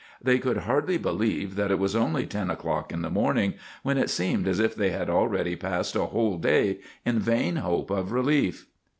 They could hardly believe that it was only ten o'clock in the morning, when it seemed as if they had already passed a whole day in vain hope of relief.